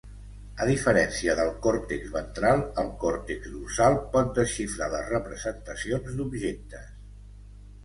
A diferència del còrtex ventral, el còrtex dorsal pot desxifrar les representacions d'objectes.